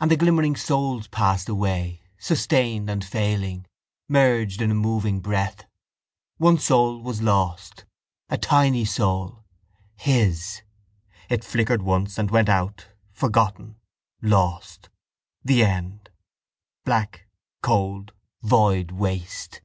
And the glimmering souls passed away, sustained and failing, merged in a moving breath. One soul was lost; a tiny soul: his. It flickered once and went out, forgotten, lost. The end: black, cold, void waste.